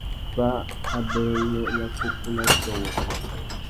Fá abérénô ya kúkú na tiô wôō.